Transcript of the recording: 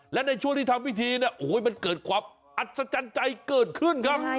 และในช่วงที่ทำวิธีโอ้โฮมันเกิดความอัศจรรย์ใจเกิดขึ้น